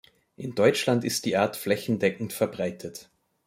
In Deutschland ist die Art flächendeckend verbreitet.